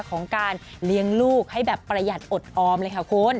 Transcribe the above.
ของการเลี้ยงลูกให้แบบประหยัดอดออมเลยค่ะคุณ